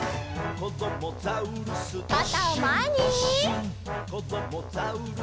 「こどもザウルス